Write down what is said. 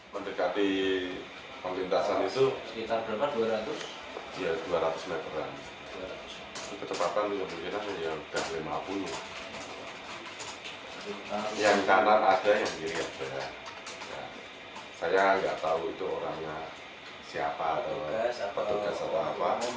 saya tidak tahu itu orangnya siapa atau petugas atau apa